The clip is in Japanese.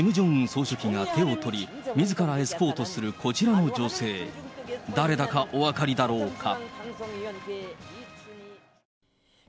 総書記が手を取り、みずからエスコートするこちらの女性、誰だかお分かりだろうか。